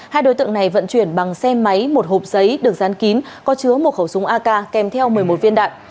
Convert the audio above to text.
hai đối tượng này vận chuyển bằng xe máy một hộp giấy được dán kín có chứa một khẩu súng ak kèm theo một mươi một viên đạn